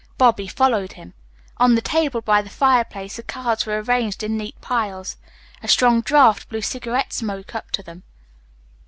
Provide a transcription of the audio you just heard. Bobby followed him. On the table by the fireplace the cards were arranged in neat piles. A strong draft blew cigarette smoke up to them.